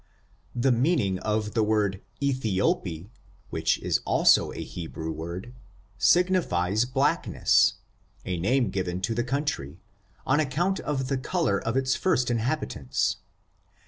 The meaning of the word Ethiope, which is also a Hebrew word, signifies blackness, a name given to the comitry, on account of the color of its first in* habitants.